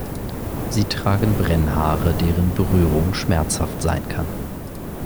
Sie tragen Brennhaare, deren Berührung schmerzhaft sein kann.